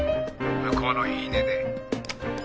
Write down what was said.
「向こうの言い値で」